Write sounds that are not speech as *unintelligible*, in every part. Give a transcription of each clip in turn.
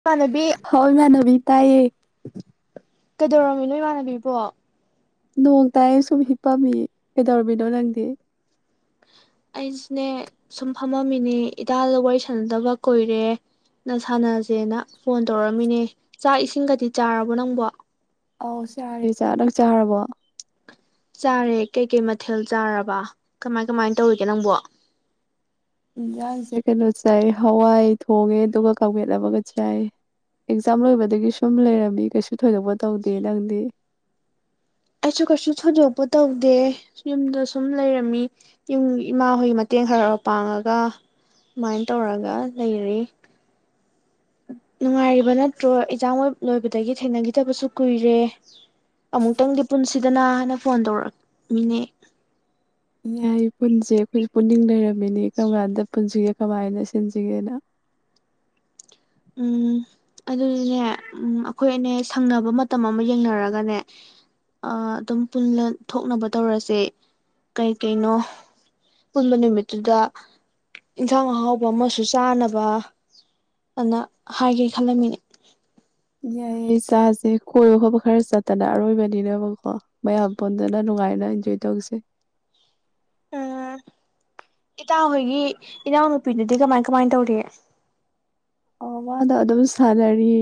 ꯏꯃꯥꯟꯅꯕꯤ ꯍꯥꯎ ꯏꯃꯥꯟꯅꯕꯤ ꯇꯥꯢꯌꯦ ꯎꯝ *inaudible* ꯀꯩꯗꯧꯔꯝꯃꯤꯅꯣ ꯏꯃꯥꯟꯅꯕꯤ ꯀ ꯅꯣꯡ ꯇꯥꯢꯌꯦ ꯁꯨꯝ ꯍꯤꯞ ꯄꯝꯃꯤ ꯀꯩꯗꯧꯔꯝꯃꯤꯅꯣ ꯅꯪꯗꯤ ꯑꯩꯁꯤꯅꯦ ꯁꯨꯝ ꯐꯝꯃꯝꯃꯤꯅꯦ ꯏꯗꯥꯗ ꯋꯥꯔꯤ ꯁꯥꯟꯅꯗꯕ ꯀꯨꯏꯔꯦ ꯅꯪ ꯁꯥꯟꯅꯁꯦꯅ ꯐꯣꯟ ꯇꯧꯔꯛꯝꯃꯤꯅꯦ ꯆꯥꯛ ꯏꯁꯤꯡꯒꯗꯤ ꯆꯥꯔꯕꯣ ꯅꯪꯕꯣ ꯑꯧ ꯆꯔꯦ ꯆꯥ ꯅꯪ ꯆꯥꯔꯕꯣ ꯇꯥꯔꯦ ꯀꯩꯀꯩ ꯃꯊꯦꯜ ꯆꯥꯔꯕ ꯀꯃꯥꯏ ꯀꯃꯥꯏ ꯇꯧꯔꯤꯒꯦ ꯅꯪꯕꯣ ꯏꯟꯖꯥꯡꯁꯦ ꯀꯩꯅꯣ ꯆꯥꯏ ꯍꯋꯥꯏ ꯊꯣꯡꯉꯦ ꯑꯗꯨꯒ ꯀꯥꯎꯒꯦꯠꯅꯕꯒ ꯆꯥꯏ ꯑꯦꯛꯖꯥꯝ ꯂꯣꯏꯕꯗꯒꯤ ꯁꯨꯝ ꯂꯩꯔꯝꯃꯤ ꯀꯩꯁꯨ ꯊꯣꯏꯗꯣꯛꯄ ꯇꯧꯗꯦ ꯅꯪꯗꯤ ꯑꯩꯁꯨ ꯀꯩꯁꯨ ꯊꯣꯏꯗꯣꯛꯄ ꯇꯧꯗꯦ ꯌꯨꯝꯗ ꯁꯨꯝ ꯂꯩꯔꯝꯃꯤ ꯌꯨꯝ ꯏꯃꯥ ꯍꯣꯏꯒꯤ ꯃꯇꯦꯡ ꯈꯔ ꯄꯥꯡꯉꯒ ꯁꯃꯥꯏꯅ ꯇꯧꯔꯒ ꯂꯩꯔ ꯅꯨꯡꯉꯥꯏꯔꯤꯕ ꯅꯠꯇ꯭ꯔꯣ ꯏꯟꯖꯥꯡꯣꯏ ꯂꯣꯏꯕꯗꯒꯤ ꯊꯦꯡꯅꯈꯤꯗꯕꯁꯨ ꯀꯨꯏꯔꯦ ꯑꯃꯨꯛꯇꯪꯗꯤ ꯄꯨꯟꯁꯤꯗ ꯑꯗꯨꯗꯅ ꯍꯅ ꯐꯣꯟ ꯇꯧꯔꯛꯃꯤꯅꯦ ꯌꯥꯏ ꯄꯨꯟꯁꯦ ꯑꯩꯈꯣꯏꯁꯦ ꯄꯨꯛꯅꯤꯡ ꯂꯩꯔꯝꯃꯤꯅꯤ ꯀꯔꯝ ꯀꯥꯟꯗ ꯄꯨꯟꯁꯤꯒꯦ ꯀꯃꯥꯏꯅ ꯁꯤꯟꯁꯤꯒꯦꯅ ꯎꯝ ꯑꯗꯨꯗꯨꯅꯦ ꯑꯩꯈꯣꯏ ꯑꯅꯦ ꯁꯪꯅꯕ ꯃꯇꯝ ꯑꯃ ꯌꯦꯡꯅꯔꯒꯅꯦ ꯑꯗꯨꯝ ꯊꯣꯛꯅꯕ ꯇꯧꯔꯁꯦ ꯀꯩꯀꯩꯅꯣ ꯄꯨꯟꯕ ꯅꯨꯃꯤꯠꯇꯨꯗ ꯏꯟꯁꯥꯡ ꯑꯍꯥꯎꯕ ꯑꯃꯁꯨ ꯆꯥꯅꯕ ꯑꯗꯨ ꯍꯥꯏꯒꯦ ꯈꯜꯂꯝꯃꯤꯅꯦ ꯌꯥꯏꯌꯦ ꯆꯥꯁꯦ ꯀꯣꯏꯕ ꯈꯣꯠꯄ ꯈꯔ ꯆꯠꯇꯅ ꯑꯔꯣꯏꯕꯅꯤꯅꯦꯕꯀꯣ ꯃꯌꯥꯝ ꯄꯨꯣꯟꯗꯅ ꯅꯨꯡꯉꯥꯏꯅ ꯏꯟꯖꯣꯏ ꯇꯧꯁꯦ ꯎꯝ ꯏꯇꯥ ꯍꯣꯏꯒꯤ ꯏꯅꯥꯎ ꯅꯨꯄꯤꯅꯗꯤ ꯀꯃꯥꯏ ꯀꯃꯥꯏꯅ ꯇꯧꯔꯤꯦ ꯑ ꯃꯥꯗ ꯑꯗꯨꯝ ꯁꯥꯟꯅꯔꯤ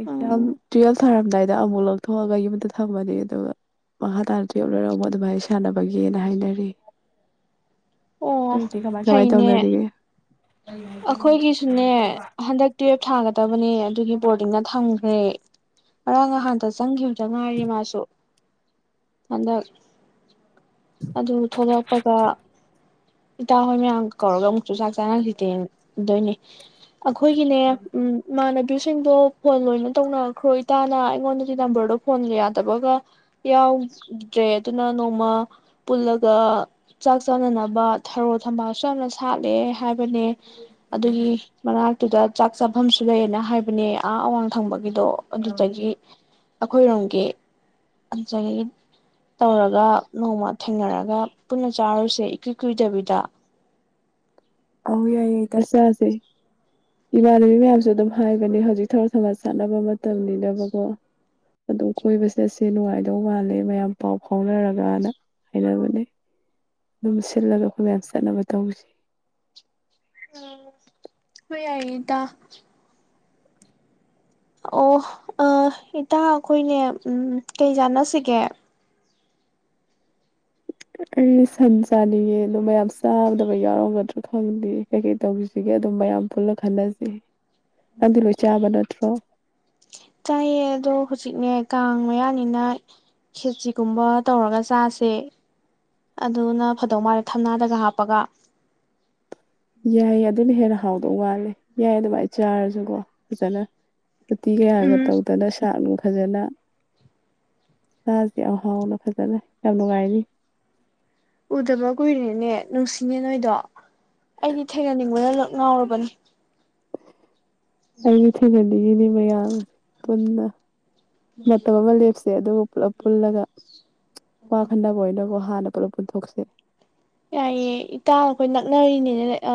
ꯑꯦꯛꯖꯥꯝ ꯎꯝ ꯇꯨꯌꯦꯜꯞ ꯊꯥꯔꯝꯗꯥꯏꯗ ꯑꯃꯨꯛ ꯂꯧꯊꯣꯛꯑꯒ ꯌꯨꯝꯗ ꯊꯝꯃꯅꯤ ꯑꯗꯨꯒ ꯃꯈꯥ ꯇꯥꯅ ꯇꯨꯌꯦꯜꯞ ꯂꯣꯏꯔꯝ ꯑꯃꯨ ꯑꯗꯨꯃꯥꯏꯅ ꯁꯥꯟꯅꯕꯒꯦꯅ ꯍꯥꯏꯅꯔꯤ ꯑꯣ ꯅꯣꯏꯗꯤ ꯀꯃꯥꯏ ꯀꯃꯥꯏ ꯇ ꯐꯩꯅꯦ ꯎꯅꯔꯒꯦ ꯑꯩꯈꯣꯏꯒꯤꯁꯨꯅꯦ ꯍꯟꯗꯛꯇꯤ ꯞ ꯊꯥꯒꯗꯕꯅꯤ ꯑꯗꯨꯒꯤ ꯕꯣꯔꯗꯤꯉ ꯊꯝꯈ꯭ꯔꯦ ꯉꯔꯥꯡ ꯅꯍ ꯜꯇ ꯆꯪꯈꯤꯕ... ꯆꯉꯥꯏꯔꯤ ꯃꯥꯁꯨ ꯍꯟꯗꯛ ꯑꯗꯨ ꯊꯣꯛꯂꯛꯄꯒ ꯏꯇꯥ ꯍꯣꯏ ꯃꯌꯥꯝ ꯀꯧꯔꯒ ꯑꯃꯨꯛꯁꯨ ꯁꯥꯦ ꯆꯉꯇꯦ ꯗꯣꯏꯅꯤ ꯑꯩꯈꯣꯏꯒꯤꯅꯦ ꯎꯝ ꯃꯥꯅ ꯏꯨꯁꯤꯡꯗꯣ ꯐꯣꯟ ꯂꯣꯏꯅ ꯇꯧꯅꯔꯈ꯭ꯔꯣꯏ ꯏꯇꯥꯅ ꯑꯩꯉꯣꯟꯗꯗꯤ ꯅꯝꯕꯔꯗꯣ ꯐꯣꯟ ꯌꯥꯗꯕꯒ ꯌꯥꯎꯗ꯭ꯔꯦ ꯑꯗꯨꯅ ꯅꯣꯡꯃ ꯄꯨꯜꯂꯒ ꯆꯥꯛ ꯆꯥꯅꯅꯕ ꯊꯔꯣ ꯊꯝꯕꯥꯜꯁꯨ ꯌꯥꯝꯅ ꯁꯥꯠꯂꯦ ꯍꯥꯏꯕꯅꯦ ꯑꯗꯨꯒꯤ ꯃꯅꯥꯛꯇꯨꯗ ꯆꯥꯛ ꯆꯥꯐꯝꯁꯨ ꯂꯩꯌꯦꯅ ꯍꯥꯏꯕꯅꯦ ꯑꯥ ꯑꯋꯥꯡ ꯊꯪꯕ ꯒꯤꯗꯣ ꯑꯗꯨꯗꯒꯤ ꯑꯩꯈꯣꯏꯔꯣꯝꯒꯤ ꯑꯟꯆꯩꯌꯦ ꯇꯧꯔꯒ ꯅꯣꯡꯃ ꯊꯦꯡꯅꯔ ꯋꯥꯛ ꯄꯅ ꯆꯥꯂꯁꯦꯗꯕꯤ ꯇ ꯑꯧ ꯌꯥꯏꯌꯦ ꯆꯥꯁꯦ ꯏꯃꯥꯟꯅꯕꯤ ꯃꯌꯥꯝꯁꯨ ꯑꯗꯨꯝ ꯍꯥꯏꯕꯅꯦ ꯍꯧꯖꯤꯛ ꯊꯔꯣ ꯊꯝꯕꯥꯜ ꯁꯥꯠꯅꯕ ꯃꯇꯝꯅꯤꯅꯕꯀꯣ ꯑꯗꯨꯝ ꯀꯣꯏꯕ ꯆꯠꯁꯦ ꯅꯨꯡꯉꯥꯏꯗꯧ ꯃꯥꯜꯂꯦ ꯃꯌꯥꯝ ꯄꯥꯎ ꯐꯥꯎꯅꯔꯒꯅ ꯍꯥꯏꯅꯕꯅꯦ ꯑꯗꯨꯝ ꯁꯤꯜꯂꯒ ꯑꯩꯈꯣꯏ ꯃꯌꯥꯝ ꯆꯠꯅꯕ ꯇꯧꯁꯤ ꯑꯝ ꯍꯣꯏ ꯌꯥꯏꯌꯦ ꯏꯇꯥ ꯑꯣ ꯑ ꯏꯇꯥ ꯑꯈꯣꯏꯅꯦ ꯎꯝ ꯀꯩ ꯆꯥꯟꯅꯁꯤꯒꯦ ꯑꯩ ꯁꯟ ꯆꯥꯅꯤꯡꯉꯦ ꯑꯗꯨ ꯃꯌꯥꯝ ꯆꯥꯗꯕ ꯌꯥꯎꯔꯝꯒꯗ꯭ꯔꯥ ꯈꯪꯗꯦ ꯀꯩꯀꯩ ꯇꯧꯁꯤꯒꯦ ꯑꯗꯨꯝ ꯃꯌꯥꯝ ꯄꯨꯜꯂ ꯈꯟꯅꯁꯤ ꯑꯗꯨꯗꯤ ꯂꯣꯏ ꯆꯥꯕꯅ ꯇ꯭ꯔꯣ ꯆꯥꯏꯌꯦ ꯑꯗꯨ ꯍꯧꯖꯤꯛꯅꯦ ꯀꯥꯡ ꯃꯌꯥꯅꯤꯅ ꯈꯦꯆꯤꯒꯨꯝꯕ ꯇꯧꯔꯒ ꯆꯥꯁꯦ ꯑꯗꯨꯅ ꯐꯗꯧ ꯃꯥꯜꯂꯦ ꯊꯝꯅꯥꯗꯒ ꯍꯥꯞꯄꯒ ꯌꯥꯏ ꯑꯗꯨꯅ ꯍꯦꯟꯅ ꯍꯥꯎꯗꯧ ꯃꯥꯜꯂꯦ ꯌꯥꯏ ꯑꯗꯨꯃꯥꯏ ꯆꯥꯔꯖꯦ ꯑꯗꯨꯣ ꯐꯖꯅ ꯎꯇꯤ ꯀꯌꯥꯒ ꯎꯝ ꯇꯧꯗꯅ ꯁꯥꯠ ꯅꯨꯡ ꯐꯖꯅ ꯆꯥꯁꯦ ꯌꯥꯝ ꯍꯥꯎꯅ ꯐꯖꯅ ꯌꯥꯝ ꯅꯨꯡꯉꯥꯏꯅꯤ ꯎꯗꯕ ꯀꯨꯏꯔꯦꯅꯦ ꯅꯨꯡꯁꯤꯅꯦ ꯅꯣꯏꯗꯣ ꯑꯩꯗꯤ ꯊꯦꯡꯅꯅꯤꯡꯕꯅ ꯂ ꯉꯥꯎꯔꯕꯅꯦ ꯑꯩꯗꯤ ꯊꯦꯡꯅꯅꯤꯡ ꯃꯌꯥꯝ ꯄꯨꯟꯅ ꯃꯇꯝ ꯑꯃ ꯂꯦꯞꯁꯦ ꯑꯗꯨ ꯄꯨꯂꯞ ꯄꯨꯜꯂꯒ ꯋꯥꯈꯟꯅꯕ ꯑꯣꯏꯅꯀꯣ ꯍꯥꯟꯅ ꯄꯨꯂꯞ ꯄꯨꯟꯊꯣꯛꯁꯦ ꯌꯥꯏꯌꯦ ꯏꯇꯥꯅ ꯑꯩꯈꯣꯏ ꯅꯛꯅꯔꯤꯅꯤꯅꯦ ꯑ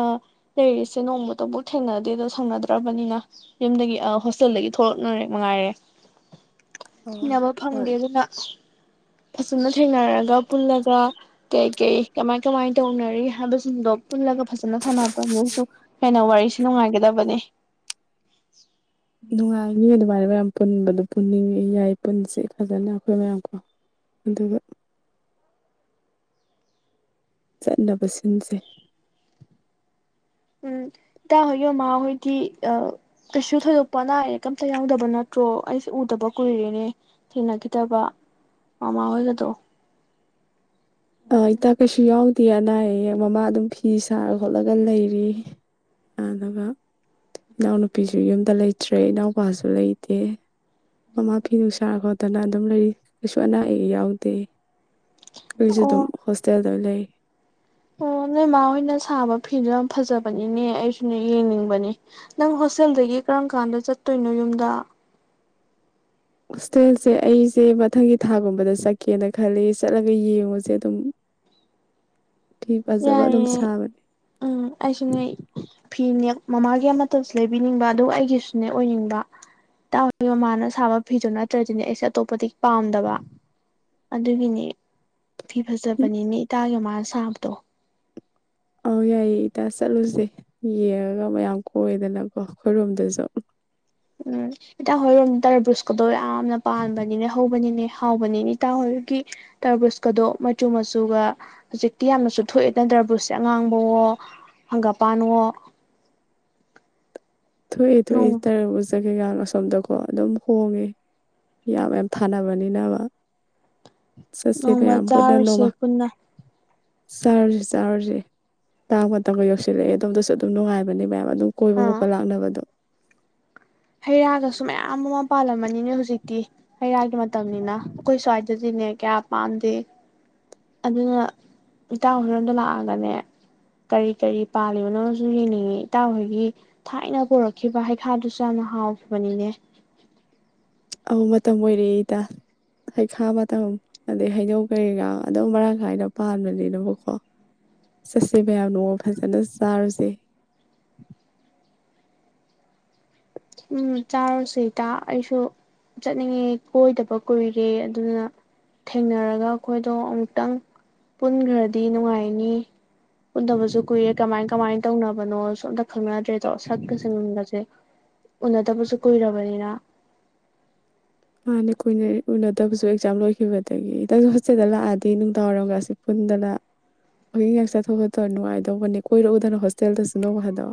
ꯂꯩꯔꯤꯁꯦ ꯅꯣꯡꯃꯇꯕꯨ ꯊꯦꯡꯅꯗꯦꯗꯣ ꯁꯪꯅꯗ꯭ꯔꯕꯅꯤꯅ ꯌꯨꯝꯗꯒꯤ ꯍꯣꯁꯇꯦꯜꯗꯒꯤ ꯊꯣꯛꯂꯛꯅꯔꯦ ꯃꯉꯥꯏꯔꯦ ꯑꯣ ꯇꯤꯅꯕ ꯐꯪꯗꯦ ꯍꯣꯏ ꯑꯗꯨꯅ ꯐꯖꯅ ꯊꯦꯡꯅꯔꯒ ꯄꯨꯜꯂꯒ ꯀꯩ ꯀꯩ ꯀꯃꯥꯏ ꯀꯃꯥꯏ ꯇꯧꯅꯔꯤ ꯍꯥꯏꯕꯁꯤꯡꯗꯣ ꯄꯨꯜꯂꯒ ꯐꯖꯅ ꯁꯥꯟꯅꯕ ꯑꯗꯨꯁꯨ ꯍꯦꯟꯅ ꯋꯥꯔꯤꯁꯦ ꯅꯨꯡꯉꯥꯏꯒꯗꯕꯅꯦ *inaudible* ꯅꯨꯡꯉꯥꯏꯅꯤ ꯑꯗꯨꯃꯥꯏ ꯃꯌꯥꯝ ꯄꯨꯟꯕꯗ ꯄꯨꯟꯅꯤꯡꯉꯤ ꯌꯥꯏ ꯄꯨꯟꯁꯦ ꯐꯖꯅ ꯑꯩꯈꯣꯏ ꯃꯌꯥꯝ ꯀꯣ ꯑꯗꯨꯒ ꯆꯠꯅꯕꯁꯤꯟꯁꯦ ꯎꯝ ꯏꯇꯥꯍꯣꯏꯒꯤ ꯃꯃꯥꯍꯣꯏꯗꯤ ꯀꯩꯁꯨ ꯊꯣꯏꯗꯣꯛꯄ ꯑꯅꯥ ꯑꯌꯦꯛ ꯀꯝꯇ ꯌꯥꯎꯗꯕ ꯅꯠꯇ꯭ꯔꯣ ꯑꯩꯁꯨ ꯎꯗꯕ ꯀꯨꯏꯔꯦꯅꯦ ꯊꯦꯡꯅꯈꯤꯗꯕ ꯃꯃꯥ ꯍꯣꯏꯒꯗꯣ ꯑ ꯏꯇꯥ ꯀꯩꯁꯨ ꯌꯥꯎ ꯇꯦ ꯑꯅꯥ ꯑꯌꯦꯛ ꯃꯃꯥ ꯑꯗꯨꯝ ꯐꯤ ꯁꯥꯔ ꯈꯣꯠꯂꯒ ꯂꯩꯔꯤ ꯑꯗꯨꯒ ꯏꯅꯥꯎꯅꯨꯄꯤꯁꯨ ꯌꯨꯝꯗ ꯂꯩꯇ꯭ꯔꯦ ꯏꯅꯥꯎꯄꯥꯁꯨ ꯂꯩꯇꯦ ꯃꯃꯥ ꯐꯤ ꯅꯨꯡ ꯁꯥꯔ ꯈꯣꯠꯇꯅ ꯑꯗꯨꯝ ꯂꯩꯔꯤ ꯀꯩꯁꯨ ꯑꯅꯥ ꯑꯌꯦꯛ ꯌꯥꯎꯗꯦ ꯑꯩꯁꯨ ꯑꯣ ꯑꯗꯨꯝ ꯍꯣꯁꯇꯦꯜꯗ ꯂꯩ ꯑꯣ ꯅꯣꯏꯃꯥ ꯍꯣꯏꯅ ꯁꯥꯕ ꯐꯤꯗꯣ ꯌꯥꯝ ꯐꯖꯕꯅꯤꯅꯦ ꯑꯩꯁꯨꯅꯦ ꯌꯦꯡꯅꯤꯡꯕꯅꯦ ꯅꯪ ꯍꯣꯁꯇꯦꯜꯗꯒꯤ ꯀꯔꯝ ꯀꯥꯟꯗ ꯆꯠꯇꯣꯏꯅꯣ ꯌꯨꯝꯗ ꯍꯣꯁꯇꯦꯜꯁꯦ ꯑꯩꯁꯦ ꯃꯊꯪꯒꯤ ꯊꯥꯒꯨꯝꯕꯗ ꯆꯠꯀꯦꯅ ꯈꯜꯂꯤ ꯆꯠꯂꯒ ꯌꯦꯡꯉꯨꯁꯦ ꯑꯗꯨꯝ ꯐꯤ ꯐꯖꯕ ꯑꯗꯨꯝ ꯌꯥꯏꯌꯦ ꯁꯥꯕꯅꯦ ꯎꯝ ꯑꯩꯁꯨꯅꯦ ꯐꯤꯅꯦ ꯃꯃꯥꯒꯤ ꯑꯃꯠꯇꯁꯨ ꯂꯩꯕꯤꯅꯤꯡꯕ ꯑꯗꯨꯒ ꯑꯩꯒꯤꯁꯨꯅꯦ ꯑꯣꯏꯅꯤꯡꯕ ꯏꯇꯥ ꯍꯣꯏꯒꯤ ꯃꯃꯥꯅ ꯁꯥꯕ ꯐꯤꯗꯣ ꯅꯠꯇ꯭ꯔꯗꯤꯅꯦ ꯑꯩꯁꯦ ꯑꯇꯣꯞꯄꯗꯤ ꯄꯥꯝꯗꯕ ꯑꯗꯨꯒꯤꯅꯤ ꯐꯤ ꯐꯖꯕꯅꯤꯅꯦ ꯏꯇꯥꯒꯤ ꯃꯃꯥ ꯅ ꯁꯥꯕ ꯗꯣ ꯑꯧ ꯌꯥꯏꯌꯦ ꯏꯇꯥ ꯆꯠꯂꯨꯁꯦ ꯌꯦꯡꯉꯒ ꯃꯌꯥꯝ ꯀꯣꯏꯗꯅꯀꯣ ꯑꯩꯈꯣꯏꯔꯣꯝꯗꯁꯨ ꯎꯝ ꯏꯇꯥꯍꯣꯏꯔꯣꯝꯗ ꯇꯔꯕꯨꯁ ꯀꯗꯣ ꯌꯥꯝ *unintelligible* ꯌꯥꯝꯅ ꯄꯥꯟꯕꯅꯤꯅꯦ ꯍꯧꯕꯅꯤꯅꯦ ꯍꯥꯎꯕꯅꯤ ꯏꯇꯥ ꯍꯣꯏꯒꯤ ꯇꯔꯕꯨꯖꯀꯗꯣ ꯃꯆꯨ ꯃꯆꯨꯒ ꯍꯧꯖꯤꯛꯇꯤ ꯌꯥꯝꯅꯁꯨ ꯊꯣꯛꯑꯦꯗꯅ ꯇꯔꯕꯨꯖꯁꯦ ꯑꯉꯥꯡꯕꯋꯣ ꯍꯪꯒꯥꯄꯥꯟꯋꯣ ꯊꯣꯛꯏ ꯊꯣꯏ ꯅꯣꯡ ꯇꯔꯕꯨꯁ ꯑꯗꯨꯌꯝ ꯑꯁꯣꯝꯗꯀꯣ ꯑꯗꯨꯝ ꯍꯣꯡꯉꯦ ꯌꯥꯝ ꯌꯥꯝ ꯊꯥꯅꯕꯅꯤꯅꯕ ꯆꯠꯁꯤ ꯅꯣꯡꯃ ꯃꯌꯥꯝ ꯄꯨꯟꯅ ꯆꯥꯔꯨꯁꯦ ꯅꯣꯃ ꯄꯨꯟꯅ ꯆꯥꯔꯖꯤ ꯆꯥꯔꯖꯤ ꯀꯥꯡ ꯃꯇꯝꯒ ꯌꯧꯁꯤꯜꯂꯛꯑꯦ ꯑꯁꯣꯝꯗꯁꯨ ꯑꯗꯨꯝ ꯅꯨꯡꯉꯥꯏꯕꯅꯦ ꯃꯌꯥꯝ ꯑꯗꯨꯝ ꯀꯣꯏꯕ ꯑꯥ ꯈꯣꯠꯄ ꯂꯥꯛꯅꯕ ꯄꯗꯨ ꯍꯩ ꯔꯥꯒꯁꯨ ꯃꯌꯥꯝ ꯑꯃ ꯄꯥꯜꯂꯝꯃꯅꯤꯅꯦ ꯍꯧꯖꯤꯛꯇꯤ ꯍꯩ ꯔꯥꯒꯤ ꯃꯇꯝꯅꯤꯅ ꯑꯩꯈꯣꯏ ꯁ꯭ꯋꯥꯏꯗꯗꯤꯅꯦ ꯀꯌꯥ ꯄꯥꯟꯗꯦ ꯑꯗꯨꯅ ꯏꯇꯥꯍꯣꯏꯔꯣꯝꯗ ꯂꯥꯛꯑꯒꯅꯦ ꯀꯔꯤ ꯀꯔꯤ ꯄꯥꯜꯂꯤꯕꯅꯣꯁꯨ ꯌꯦꯡꯅꯤꯡꯏꯤ ꯏꯇꯥꯍꯣꯏꯒꯤ ꯊꯥꯏꯅ ꯄꯨꯔꯛꯈꯤꯕ ꯍꯩꯈꯥꯗꯨꯁꯨ ꯌꯥꯝꯅ ꯍꯥꯎꯈꯤꯕꯅꯤꯅꯦ ꯃꯇꯝ ꯑꯣꯏꯔꯦ ꯏꯇꯥ ꯍꯩꯈꯥ ꯃꯇꯝ ꯑꯗꯩ ꯍꯩꯅꯧ ꯀꯩꯀꯥ ꯑꯗꯨꯝ ꯃꯔꯥꯡ ꯀꯥꯏꯅ ꯄꯥꯟꯕꯅꯤꯅꯕꯀꯣ ꯆꯠꯁꯦ ꯃꯌꯥꯝ ꯅꯣꯡꯃ ꯐꯖꯅ ꯆꯥꯔꯨꯁꯦ ꯎꯝ ꯆꯥꯔꯨꯁꯤ ꯏꯇꯥ ꯑꯩꯁꯨ ꯆꯠꯅꯤꯡꯉꯦ ꯀꯣꯏꯗꯕ ꯀꯨꯏꯔꯦ ꯑꯗꯨꯅ ꯊꯦꯡꯅꯔꯒ ꯑꯩꯈꯣꯏꯗꯣ ꯑꯃꯨꯛꯇꯪ ꯄꯨꯟꯈ꯭ꯔꯗꯤ ꯅꯨꯡꯉꯥꯏꯅꯤ ꯄꯨꯟꯗꯕꯁꯨ ꯀꯨꯏꯔꯦ ꯀꯃꯥꯏ ꯀꯃꯥꯏꯅ ꯇꯧꯅꯕꯅꯣ ꯁꯣ ꯑꯝꯇ ꯈꯪꯅꯗ꯭ꯔꯦꯗꯣ ꯁꯛꯀ ꯁꯪꯒꯟꯕꯁꯦ ꯎꯅꯗꯕꯁꯨ ꯀꯨꯏꯔꯕꯅꯤꯅ ꯃꯥꯥꯟꯅꯦ ꯀꯨꯏꯅ ꯎꯅꯗꯕꯁꯨ ꯑꯦꯛꯖꯥꯝ ꯂꯣꯏꯈꯤꯕꯗꯒꯤ ꯏꯇꯥꯁꯨ ꯍꯣꯁꯇꯦꯜꯗ ꯂꯥꯛꯑꯗꯤ ꯅꯨꯡꯗꯥꯡꯋꯥꯏꯔꯝꯒꯁꯤ ꯄꯨꯟꯗꯅ ꯋꯥꯛꯀꯤꯡꯒ ꯆꯊꯣꯛ ꯈꯣꯠꯊꯣꯛ ꯑꯥꯒ ꯅꯨꯡꯉꯥꯏ ꯇꯧꯕꯅꯦ ꯀꯣꯏꯔꯛꯎꯗꯅ ꯍꯣꯁꯇꯦꯜꯗꯁꯨ ꯅꯣꯡ ꯐꯗꯣꯛ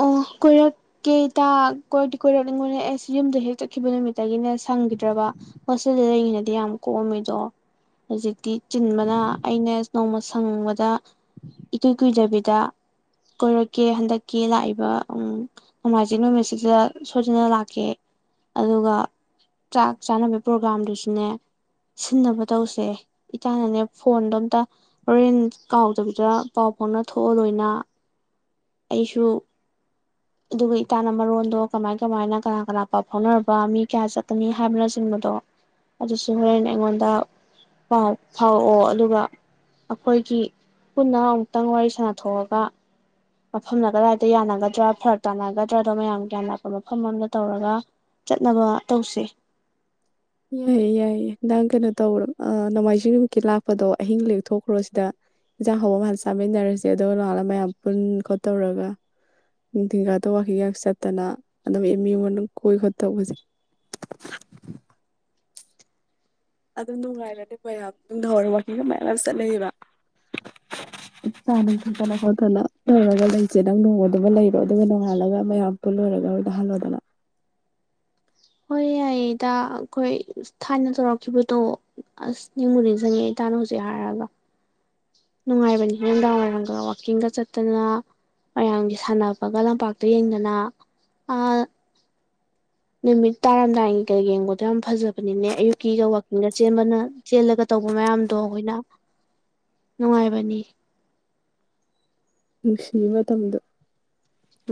ꯑꯣ ꯀꯣꯏꯔꯛꯀꯦ ꯏꯇꯥ ꯀꯣꯏꯔꯛꯇꯤ ꯀꯣꯏꯔꯛꯅꯤꯡꯕꯅꯦ ꯑꯩꯁꯦ ꯌꯨꯝꯗ ꯍꯦꯛ ꯆꯠꯈꯤꯕ ꯅꯨꯃꯤꯠꯇꯒꯤꯅꯦ ꯁꯪꯈꯤꯗ꯭ꯔꯕ ꯍꯣꯁꯇꯦꯜꯗ ꯂꯩꯔꯤꯉꯩꯗꯗꯤ ꯌꯥꯝ ꯀꯣꯛꯑꯝꯃꯤꯗꯣ ꯍꯧꯖꯤꯛꯇꯤ ꯆꯤꯟꯕꯅ ꯑꯩꯅ ꯅꯣꯡꯃ ꯁꯪꯕꯗ ꯏꯀꯨꯏ ꯀꯨꯏꯗꯕꯤ ꯗ ꯀꯣꯏꯔꯛꯀꯦ ꯍꯟꯗꯛ ꯀꯦ ꯂꯥꯛꯏꯕ ꯅꯣꯡꯃꯥꯏꯖꯤꯡ ꯅꯨꯃꯤꯠꯁꯤꯗ ꯁꯣꯏꯗꯅ ꯂꯥꯛꯀꯦ ꯑꯗꯨꯒ ꯆꯥꯛ ꯆꯥꯅꯕꯒꯤ ꯄ꯭ꯔꯣꯒ꯭ꯔꯥꯝꯗꯨꯁꯨꯅꯦ ꯁꯤꯟꯅꯕ ꯇꯧꯁꯦ ꯏꯇꯥꯅꯅꯦ ꯐꯣꯟꯗꯣ ꯑꯃꯇ ꯍꯣꯔꯦꯟ ꯀꯥꯎꯗꯕꯤꯗ ꯄꯥꯎ ꯐꯥꯎꯅ ꯊꯣꯛꯑꯣ ꯂꯣꯏꯅ ꯑꯩꯁꯨ ꯑꯗꯨꯒ ꯏꯇꯥꯥꯟꯅ ꯃꯔꯣꯟꯗꯣ ꯀꯃꯥꯏ ꯀꯃꯥꯏꯅ ꯀꯅꯥ ꯀꯅꯥ ꯄꯥꯎ ꯐꯥꯎꯅꯔꯕ ꯃꯤ ꯀꯌꯥ ꯆꯠꯀꯅꯤ ꯍꯥꯏꯕꯅꯆꯤꯡꯕꯗꯣ ꯑꯗꯨꯁꯨ ꯍꯣꯔꯦꯟꯅꯦ ꯑꯩꯉꯣꯟꯗ ꯄꯥꯎ ꯐꯥꯎꯔꯛꯑꯣ ꯑꯗꯨꯒ ꯑꯩꯈꯣꯏꯒꯤ ꯄꯨꯟꯅ ꯑꯃꯨꯛꯇꯪ ꯋꯥꯔꯤ ꯁꯥꯟꯅꯊꯣꯛꯑꯒ ꯃꯐꯝꯅ ꯀꯗꯥꯏꯗ ꯌꯥꯅꯒꯗ꯭ꯔꯥ ꯐꯔꯛ ꯇꯥꯅꯒꯗ꯭ꯔꯥꯗꯣ ꯃꯌꯥꯝ ꯒ꯭ꯌꯥꯟ ꯅꯛꯄ ꯃꯐꯝ ꯑꯃꯝꯗ ꯇꯧꯔꯒ ꯆꯠꯅꯕ ꯇꯧꯁꯤ ꯌꯥꯏꯌꯦ ꯌꯥꯏꯌꯦ ꯅꯪ ꯀꯩꯅꯣ ꯇꯧꯕꯣ ꯅꯣꯡꯃꯥꯏꯖꯤꯡ ꯅꯨꯃꯤꯠꯀꯤ ꯂꯥꯛꯄꯗꯣ ꯑꯍꯤꯡ ꯂꯦꯛꯊꯈ꯭ꯔꯣ ꯁꯤꯗ ꯏꯟꯖꯥꯡ ꯍꯧꯕ ꯑꯃꯅ ꯆꯥꯃꯤꯟꯅꯔꯁꯦ ꯑꯗꯨꯒ ꯔꯧꯟꯗ ꯃꯌꯥꯝ ꯄꯨꯟ ꯈꯣꯠꯇꯧꯔꯒ ꯅꯨꯡꯊꯤꯟꯒꯥꯗ ꯋꯥꯛꯀꯤꯡ ꯆꯠꯇꯅ ꯑꯗꯨꯝ ꯑꯦꯝ ꯌꯨ ꯃꯅꯨꯡ ꯀꯣꯏ ꯈꯣꯠꯇꯧꯕꯁꯦ ꯑꯗꯨꯝ ꯅꯨꯡꯉꯥꯏꯔꯗꯦꯀꯣ ꯌꯥꯝ ꯅꯨꯡꯗꯥꯡ ꯋꯥꯏꯔꯝ ꯋꯥꯛꯀꯤꯡꯒ ꯃꯌꯥꯝ ꯌꯥꯝ ꯆꯠꯅꯩꯌꯦꯕ ꯈꯔꯥ ꯂꯥꯛꯅꯔꯒ ꯂꯩꯖꯦ ꯅꯡ ꯅꯣꯡꯃ ꯑꯗꯨꯃ ꯂꯩꯔꯣ ꯑꯗꯨꯒ ꯅꯣꯡꯉꯥꯜꯂꯒ ꯃꯌꯥꯝ ꯄꯨꯜꯂꯨꯔꯒ ꯍꯜꯂꯣꯗꯅ ꯍꯣꯏ ꯌꯥꯏꯌꯦ ꯏꯇꯥ ꯑꯩꯈꯣꯏ ꯊꯥꯏꯅ ꯇꯧꯔꯛꯈꯤꯕꯗꯣ ꯑꯁ ꯅꯤꯡꯕꯨ ꯅꯤꯡꯁꯤꯡꯉꯦ ꯏꯇꯥꯅ ꯍꯧꯖꯤꯛ ꯍꯥꯏꯔꯒ ꯅꯨꯡꯉꯥꯏꯕꯅꯤ ꯅꯨꯡꯗꯥꯡ ꯋꯥꯏꯔꯝꯗꯒ ꯋꯥꯛꯀꯤꯡꯒ ꯆꯠꯇꯅ ꯃꯌꯥꯝꯒꯤ ꯁꯥꯟꯅꯕꯒ ꯂꯝꯄꯥꯛꯇ ꯌꯦꯡꯗꯅ ꯑ ꯅꯨꯃꯤꯠ ꯇꯥꯔꯝꯗꯥꯏꯒꯤꯒ ꯌꯦꯡꯕꯗꯣ ꯌꯥꯝ ꯐꯖꯕꯅꯤꯅꯦ ꯑꯌꯨꯛꯀꯤꯒ ꯋꯥꯛꯀꯤꯡꯒ ꯆꯦꯟꯕꯅ ꯆꯦꯜꯂꯒ ꯇꯧꯕ ꯃꯌꯥꯝꯗꯣ ꯑꯩꯈꯣꯏꯅ ꯅꯨꯡꯉꯥꯏꯕꯅꯤ ꯅꯨꯡꯁꯤ ꯃꯇꯝꯗꯨ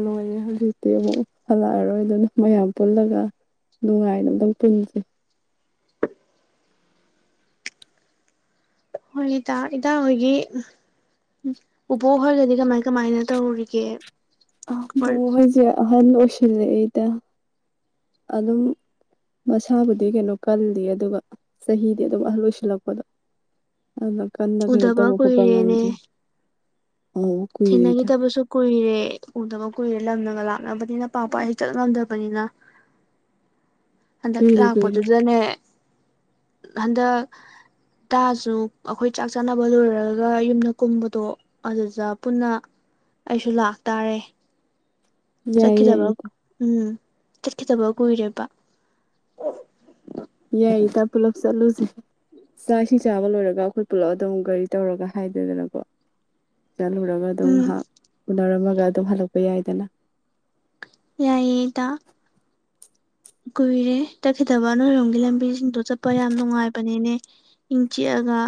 ꯂꯣꯏꯔꯦ ꯍꯧꯖꯤꯛꯇꯤ ꯑꯃꯨꯛ ꯍꯜꯂꯛꯑꯔꯣꯏ ꯑꯗꯨꯅ ꯃꯌꯥꯝ ꯄꯨꯜꯂꯒ ꯅꯨꯡꯉꯥꯏꯅ ꯑꯗꯨꯝ ꯄꯨꯟꯁꯤ ꯍꯣꯏ ꯏꯇꯥ ꯏꯇꯥ ꯍꯣꯏꯒꯤ ꯄꯨꯄꯨ ꯍꯣꯏꯒꯗꯤ ꯀꯃꯥꯏ ꯀꯃꯥꯏꯅ ꯇꯧꯔꯤꯒꯦ ꯑ ꯕꯨꯕꯣꯛ ꯍꯣꯏꯁꯦ ꯑꯍꯟ ꯑꯣꯏ *inaudible* ꯁꯤꯜꯂꯛꯏꯗ ꯑꯗꯨꯝ ꯃꯁꯥꯕꯨꯗꯤ ꯀꯩꯅꯣ ꯀꯜꯂꯤ ꯑꯗꯨꯒ ꯆꯍꯤꯗꯤ ꯑꯗꯨꯝ ꯑꯍꯟ ꯑꯣꯏꯁꯤꯜꯂꯛꯄꯗꯣ ꯑꯗ ꯀꯟꯅ ꯀꯩꯅꯣ ꯎꯗꯕ ꯇꯧꯕ ꯈꯣꯠꯄ ꯀꯨꯏꯔꯦꯅꯦ ꯉꯟꯗ꯭ꯔꯦ ꯑꯣ ꯀꯨꯏ ꯔꯣꯏꯗ ꯊꯦꯡꯅꯈꯤꯗꯕꯁꯨ ꯀꯨꯏꯔꯦ ꯎꯗꯕ ꯀꯨꯏꯔꯦ ꯂꯝꯅꯒ ꯂꯥꯛꯅꯕꯅꯤꯅ ꯄꯥꯛ ꯄꯥꯛ ꯍꯦꯛ ꯆꯠ ꯉꯝꯗꯕꯅꯤꯅ ꯍꯟꯗꯛ ꯀꯨꯏꯔꯦ ꯀꯨꯏꯔꯦ ꯂꯥꯛꯄꯗꯨꯗꯅꯦ ꯍꯟꯗꯛ ꯇꯥꯥ ꯁꯨ ꯑꯩꯈꯣꯏ ꯆꯥꯛ ꯆꯥꯅꯕ ꯂꯣꯏꯔꯒ ꯌꯨꯝꯗ ꯀꯨꯝꯕꯗꯣ ꯑꯗꯨꯗ ꯄꯨꯟꯅ ꯑꯩꯁꯨ ꯂꯥꯛꯇꯥꯥꯔꯦ ꯌꯥꯏ ꯆꯠꯈꯤꯗꯕ ꯌꯥꯏꯗ ꯎꯝ ꯆꯠꯈꯤꯗꯕ ꯀꯨꯏꯔꯦꯕ ꯑꯣ ꯌꯥꯏ ꯏꯀꯟꯗ ꯄꯨꯂꯞ ꯆꯠꯂꯨꯁꯤ ꯆꯥꯛ ꯏꯁꯤꯡ ꯆꯥꯕ ꯂꯣꯏꯔꯒ ꯑꯩꯈꯣꯏ ꯄꯨꯜꯂꯛ ꯑꯗꯨꯝ ꯒꯥꯔꯤ ꯇꯧꯔꯒ ꯍꯥꯏꯗꯦꯗꯅꯀꯣ ꯆꯠꯂꯨꯔꯒ ꯑꯗꯨꯝ ꯎꯝ ꯉꯍꯥꯛ ꯎꯅꯔꯝꯃ ꯑꯗꯨ ꯍꯜꯂꯛꯄ ꯌꯥꯏꯗꯅ ꯌꯥꯏꯌꯦ ꯏꯇꯥ ꯀꯨꯏꯔꯦ ꯆꯠꯈꯤꯗꯕ ꯅꯣꯏꯔꯣꯝꯒꯤ ꯂꯝꯕꯤ ꯗꯣ ꯆꯠꯄ ꯌꯥꯝ ꯅꯨꯡꯉꯥꯏꯕꯅꯤꯅꯦ ꯏꯪ ꯆꯤꯛ ꯑꯒ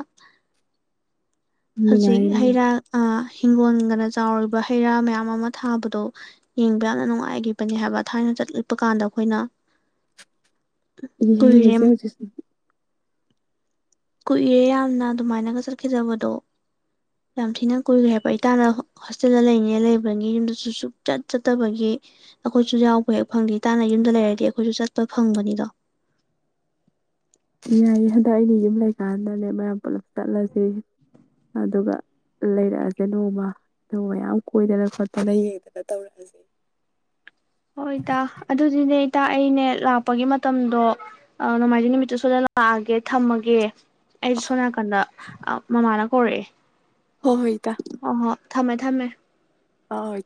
ꯍꯧꯖꯤꯛ ꯅꯨꯡꯉꯥꯏꯌꯦ ꯍꯩ ꯔꯥ ꯑꯥ ꯍꯤꯡꯒꯣꯜꯒꯅ ꯆꯥꯎꯔꯤꯕ ꯍꯩ ꯔꯥ ꯃꯌꯥꯝ ꯑꯃ ꯊꯥꯕꯗꯣ ꯌꯦꯡꯕ ꯌꯥꯝꯅ ꯅꯨꯡꯉꯥꯏꯒꯤꯕꯅꯤ ꯍꯥꯏꯕ ꯊꯥꯏꯅ ꯆꯠꯂꯄ ꯀꯥꯟꯗ ꯑꯩꯈꯣꯏꯅ ꯏ ꯀꯨꯏꯔꯦ ꯃꯖꯦ ꯍꯧꯖꯤꯛ ꯀꯨꯏꯔꯦ ꯌꯥꯝꯅ ꯑꯗꯨꯃꯥꯏꯅꯒ ꯆꯠꯈꯤꯗꯕꯗꯣ ꯌꯥꯝ ꯊꯤꯅ ꯀꯨꯏꯈ꯭ꯔꯦ ꯍꯥꯏꯕ ꯑꯩ ꯇꯥꯅ ꯍꯣꯁꯇꯦꯜꯗ ꯂꯩꯅꯤ ꯂꯩꯕꯅꯤ ꯌꯨꯝꯗꯁꯨ ꯁꯨꯡꯆꯠ ꯆꯠꯇꯕꯒꯤ ꯑꯩꯈꯣꯏꯁꯨ ꯌꯥꯎꯕ ꯍꯦꯛ ꯐꯪꯗꯦ ꯏ ꯇꯥꯟꯅ ꯌꯨꯝꯗ ꯂꯩꯔꯗꯤ ꯑꯩꯈꯣꯏꯁꯨ ꯆꯠꯄ ꯐꯪꯕꯅꯤꯗꯣ ꯌꯥꯏꯌꯦ ꯍꯟꯗꯛ ꯑꯩꯅ ꯌꯨꯝ ꯂꯩꯀꯥꯟꯗꯅꯦ ꯃꯌꯥꯝ ꯄꯨꯂꯞ ꯆꯠꯂꯁꯤ ꯑꯗꯨꯒ ꯂꯩꯔꯛꯑꯁꯦ ꯅꯣꯡꯃ ꯑꯗꯨꯒ ꯃꯌꯥꯝ ꯀꯣꯏꯗꯅ ꯈꯣꯠꯇꯅ ꯌꯦꯡꯗꯅ ꯇꯧꯔꯛꯑꯁꯤ ꯍꯣꯏ ꯏꯇꯥ ꯑꯗꯨꯗꯤꯅꯦ ꯏꯇꯥ ꯑꯩꯅꯦ ꯂꯥꯛꯄꯒꯤ ꯃꯇꯝꯗꯣ ꯅꯣꯡꯃꯥꯏꯖꯤꯡ ꯅꯨꯃꯤꯠꯇꯨ ꯁꯣꯏꯗ ꯂꯥꯛꯑꯒꯦ ꯊꯝꯃꯒꯦ ꯑꯩ ꯁꯣ ꯅꯀꯟꯗ ꯃꯃꯅ ꯑꯣꯏ ꯍꯣ ꯍꯣꯏ ꯏꯇꯥ ꯊꯝꯃꯦ ꯊꯝꯃꯦ ꯍꯣꯏ